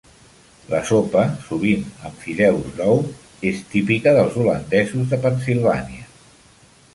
La sopa, sovint amb fideus d'ou, és típica dels holandesos de Pennsilvània.